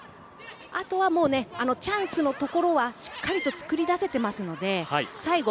あとは、チャンスのところはしっかり作り出せているので最後、